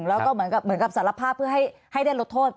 แล้วก็เหมือนกับสารภาพเพื่อให้ได้ลดโทษ